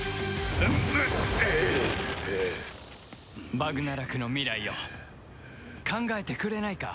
バグナラクの未来を考えてくれないか？